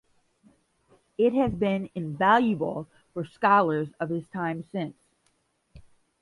It has been invaluable for scholars of his time and since.